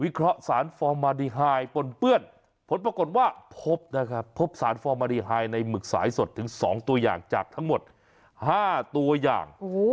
เคราะห์สารฟอร์มาดีไฮปนเปื้อนผลปรากฏว่าพบนะครับพบสารฟอร์มารีไฮในหมึกสายสดถึง๒ตัวอย่างจากทั้งหมด๕ตัวอย่าง